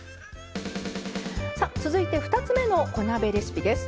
続いて２つ目の小鍋レシピです。